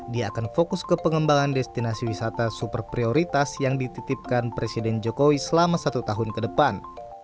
dia akan fokus ke pengembangan destinasi wisata super prioritas yang dititipkan presiden jokowi selama satu tahun ke depan